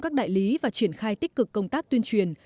các đại lý và triển khai tích cực công tác tuyên truyền